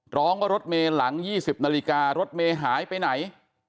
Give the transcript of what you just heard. ร้องว่ารถเมย์หลัง๒๐นาฬิการถเมย์หายไปไหน